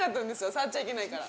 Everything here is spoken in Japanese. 触っちゃいけないから。